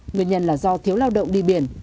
nguyên nhân là do thiếu lao động đi biển